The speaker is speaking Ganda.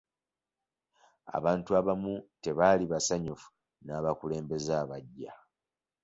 Abantu abamu tebaali basanyufu n'abakulembeze abaggya.